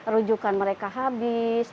rujukan mereka habis